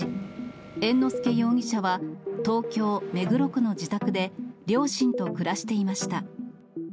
猿之助容疑者は東京・目黒区の自宅で、両親と暮らしていました。